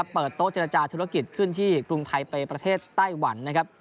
เปิดโต๊ะเจรจาธุรกิจขึ้นที่กรุงไทยไปประเทศไต้หวันนะครับ